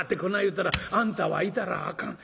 言うたら『あんたは行たらあかん。